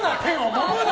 もむな！